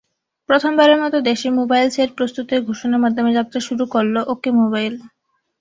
প্রথমবারের মতো দেশেই মোবাইল সেট প্রস্তুতের ঘোষণার মাধ্যমে যাত্রা শুরু করলো ওকে মোবাইল।